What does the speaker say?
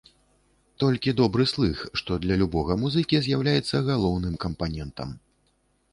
Толькі добры слых, што для любога музыкі з'яўляецца галоўным кампанентам.